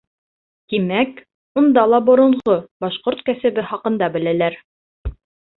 Тимәк, унда ла боронғо башҡорт кәсебе хаҡында беләләр!